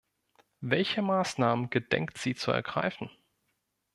Welche Maßnahmen gedenkt sie zu ergreifen?